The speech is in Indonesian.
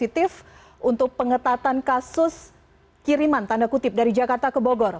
itu tidak membawa kontribusi positif untuk pengetatan kasus kiriman tanda kutip dari jakarta ke bogor